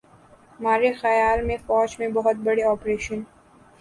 مارے خیال میں فوج میں بہت بڑے آپریشن